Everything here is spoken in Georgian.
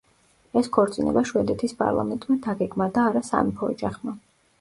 ეს ქორწინება შვედეთის პარლამენტმა დაგეგმა და არა სამეფო ოჯახმა.